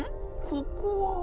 ここは。